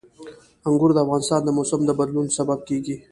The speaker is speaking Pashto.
انګور د افغانستان د موسم د بدلون سبب کېږي.